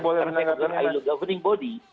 karena itu adalah governing body